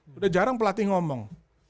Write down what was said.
sudah jarang pelatih ngomong